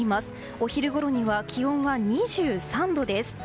お昼ごろには気温は２３度です。